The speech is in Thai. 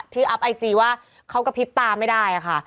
อัพไอจีว่าเขากระพริบตาไม่ได้ค่ะ